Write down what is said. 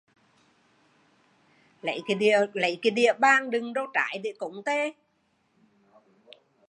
Dĩa bàng đựng đồ trái để cúng